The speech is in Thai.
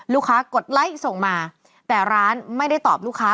กดไลค์ส่งมาแต่ร้านไม่ได้ตอบลูกค้า